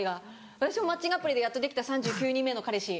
私もマッチングアプリでやっとできた３９人目の彼氏。